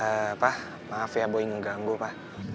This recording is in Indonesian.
eh pak maaf ya boy ngeganggu pak